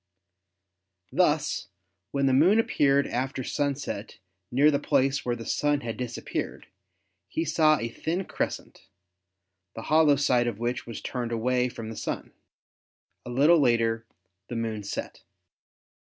Thus when the Moon appeared after sunset near the place where the Sun had disappeared he saw a thin crescent, the hollow side of which was turned away from the Sun. A little later the Moon set.